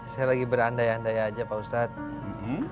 saya lagi berandai andai aja pak ustadz